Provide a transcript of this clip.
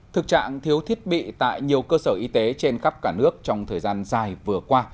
thực trạng thiếu thiết bị tại nhiều cơ sở y tế trên khắp cả nước trong thời gian dài vừa qua